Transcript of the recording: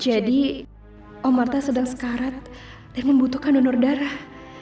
jadi om arta sedang sekarat dan membutuhkan donor darah